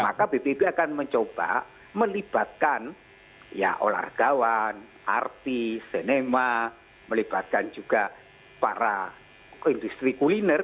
maka bpp akan mencoba melibatkan ya olahgawan artis senema melibatkan juga para industri kuliner